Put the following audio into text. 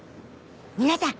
皆さん！